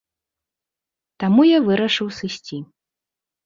Таму я вырашыў сысці.